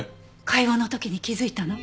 解剖の時に気づいたの。